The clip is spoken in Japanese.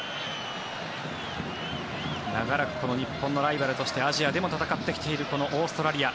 長らくこの日本のライバルとしてアジアでも戦ってきているこのオーストラリア。